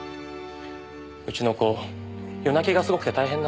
うちの子夜泣きがすごくて大変なんです。